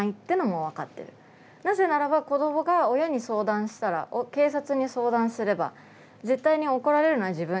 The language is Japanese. なぜならば子どもが親に相談したら警察に相談すれば絶対に怒られるのは自分。